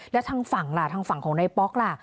แล้วทางฝั่งล่ะทางฝั่งของนายป๊อกล่ะ